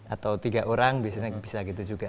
atau tiga orang biasanya bisa gitu juga